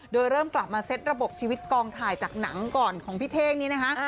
โดยเริ่มกลับมาเซ็ตระบบชีวิตกองถ่ายจากหนังก่อนของพี่เท่งนี้นะคะ